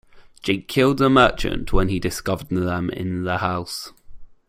Jake killed the merchant when he discovered them in the house.